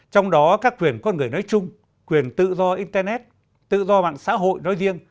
trong đó các quyền con người nói chung quyền tự do internet tự do mạng xã hội nói riêng